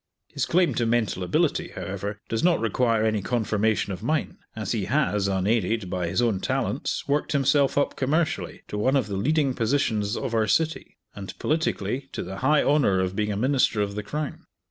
His claim to mental ability, however, does not require any confirmation of mine, as he has, unaided, by his own talents, worked himself up commercially to one of the leading positions of our city; and, politically, to the high honour of being a Minister of the Crown.